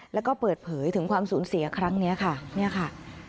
แล้วก็เปิดเผยถึงความสูญเสียครั้งนี้ค่ะเนี่ยค่ะ